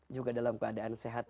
juga dalam keadaan sehat